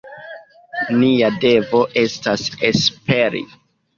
Nia devo estas esperi.